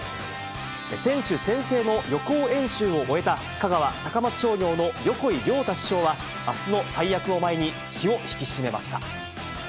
選手宣誓の予行演習を終えた香川・高松商業の横井亮太主将は、あすの大役を前に、気を引き締めました。